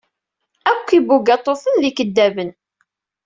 Akk ibugaṭuten d ikeddaben.